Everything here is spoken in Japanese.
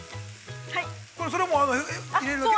それは入れるだけ。